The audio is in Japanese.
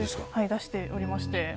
出しておりまして。